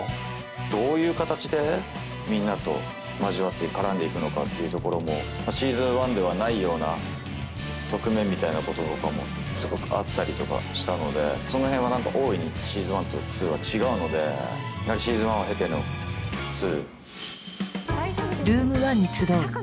どういう形でみんなと交わって絡んでいくのかっていうところも「Ｓｅａｓｏｎ１」ではないような側面みたいなこととかもすごくあったりとかしたのでその辺は何か大いに「Ｓｅａｓｏｎ１」と「２」は違うのでやはり「Ｓｅａｓｏｎ１」を経ての「２」。